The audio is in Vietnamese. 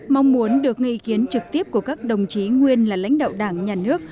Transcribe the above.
mong muốn được nghe ý kiến trực tiếp của các đồng chí nguyên là lãnh đạo đảng nhà nước